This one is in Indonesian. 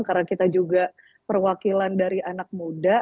karena kita juga perwakilan dari anak muda